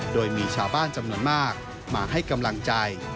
โดยมีชาวบ้านจำนวนมากมาให้กำลังใจ